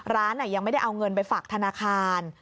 ร้านยังไม่ได้เอาเงินไปฝากธนาคาร